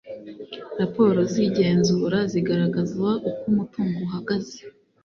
Raporo z igenzura zigaragaza uko umutungo uhagaze